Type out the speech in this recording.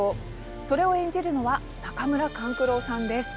それを演じるのは中村勘九郎さんです。